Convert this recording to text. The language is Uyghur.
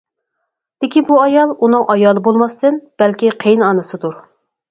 لېكىن بۇ ئايال ئۇنىڭ ئايالى بولماستىن، بەلكى قېيىن ئانىسىدۇر.